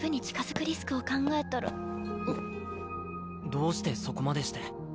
どうしてそこまでして。